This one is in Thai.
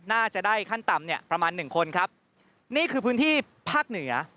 น่าจะได้ขั้นต่ำเนี่ยประมาณหนึ่งคนครับนี่คือพื้นที่ภาคเหนือ